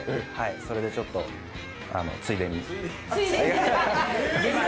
それでちょっとついでに。